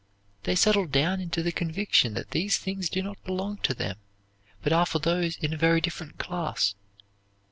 They settle down into the conviction that these things do not belong to them, but are for those in a very different class.